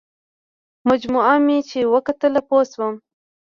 مجموعه مې چې وکتله پوه شوم.